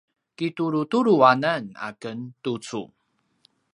kitulutulu anan a ken tucu